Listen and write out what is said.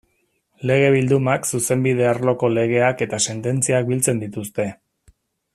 Lege-bildumak zuzenbide arloko legeak eta sententziak biltzen dituzte.